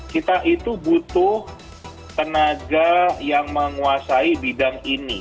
kita itu butuh tenaga yang menguasai bidang ini